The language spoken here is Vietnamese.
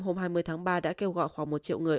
hôm hai mươi tháng ba đã kêu gọi khoảng một triệu người